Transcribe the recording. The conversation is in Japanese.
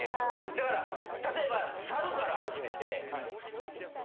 だから例えば「サル」から始めて。